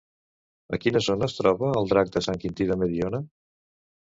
A quina zona es troba el drac de Sant Quintí de Mediona?